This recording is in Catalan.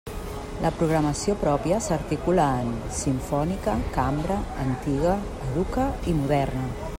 La programació pròpia s'articula en: simfònica, cambra, antiga, educa i moderna.